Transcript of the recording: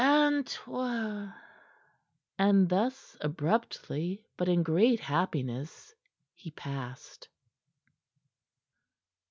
"Antoi " And thus, abruptly, but in great happiness, he passed.